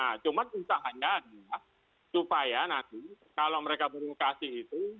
nah cuman usahanya adalah supaya nanti kalau mereka berlokasi itu